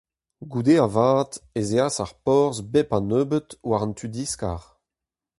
Goude avat ez eas ar porzh bep a nebeud war an tu diskar.